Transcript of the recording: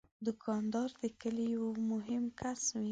دوکاندار د کلي یو مهم کس وي.